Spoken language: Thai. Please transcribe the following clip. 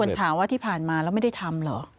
ถามว่าที่ผ่านมาแล้วไม่ได้ทำเหรอ